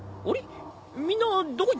みんなどこ行った？